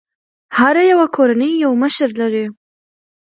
هره يوه کورنۍ یو مشر لري.